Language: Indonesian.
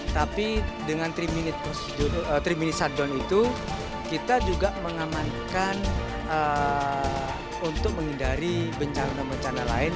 tapi dengan trimin shutdown itu kita juga mengamankan untuk menghindari bencana bencana lain